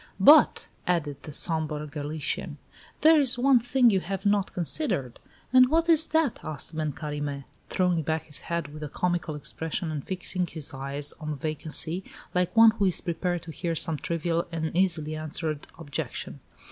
"But," added the sombre Galician, "there is one thing you have not considered." "And what is that?" asked Ben Carime, throwing back his head with a comical expression, and fixing his eyes on vacancy, like one who is prepared to hear some trivial and easily answered objection.